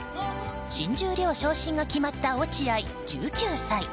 新十両昇進が決まった落合、１９歳。